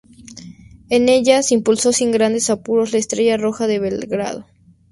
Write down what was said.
En ella se impuso sin grandes apuros al Estrella Roja de Belgrado.